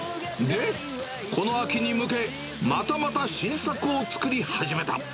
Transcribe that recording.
で、この秋に向けて、またまた新作を作り始めた。